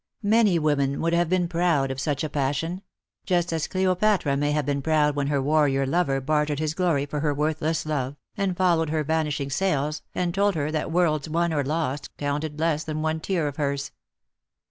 Many women would have been proud of such a passion ; just as Cleopatra may have been proud when her warrior lover bartered his glory for her worthless love, and followed her vanishing sails, and told her that worlds won or lost counted less than one tear of hers.